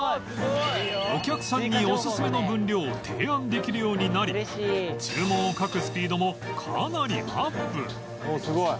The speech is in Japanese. お客さんにおすすめの分量を提案できるようになり注文を書くスピードもかなりアップ